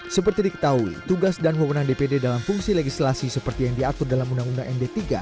seperti diketahui tugas dan kewenangan dpd dalam fungsi legislasi seperti yang diatur dalam undang undang md tiga